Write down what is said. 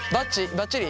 ばっちり？